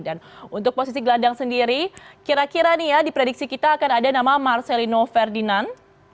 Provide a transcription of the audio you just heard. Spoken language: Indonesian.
dan untuk posisi geladang sendiri kira kira nih ya di prediksi kita akan ada nama marcelino ferdinand